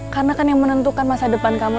karena kan yang menentukan masa depan kamu